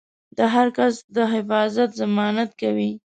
د هر کس د محافظت ضمانت کوي.